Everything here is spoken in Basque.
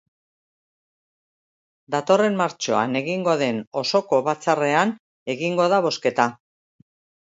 Datorren martxoan egingo den osoko batzarrean egingo da bozketa.